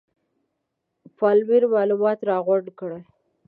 پالمر معلومات راغونډ کړل.